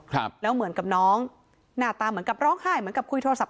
ครับแล้วเหมือนกับน้องหน้าตาเหมือนกับร้องไห้เหมือนกับคุยโทรศัพ